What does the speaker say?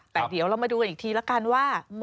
แต่เดี๋ยวเรามาดูกันอีกทีละกันว่า